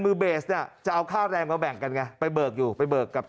มือเบสเนี่ยจะเอาค่าแรงมาแบ่งกันไงไปเบิกอยู่ไปเบิกกับ